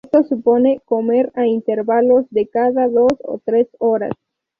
Esto supone comer a intervalos de cada dos o tres horas.